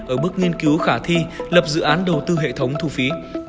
ở bước nghiên cứu khả thi lập dự án đầu tư hệ thống thu phí